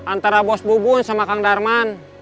antara bos bubun sama kang darman